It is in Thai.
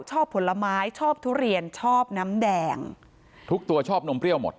ผลไม้ชอบทุเรียนชอบน้ำแดงทุกตัวชอบนมเปรี้ยวหมด